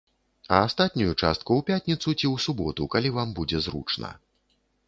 А астатнюю частку ў пятніцу ці ў суботу, калі вам будзе зручна.